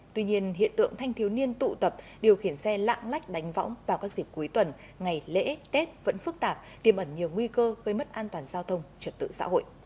tuy nhiên hiện tượng thanh thiếu niên tụ tập điều khiển xe lạng lách đánh võng vào các dịp cuối tuần ngày lễ tết vẫn phức tạp tiêm ẩn nhiều nguy cơ gây mất an toàn giao thông trật tự xã hội